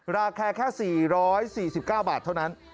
ราคาแค่๔๔๙บาทเท่านั้น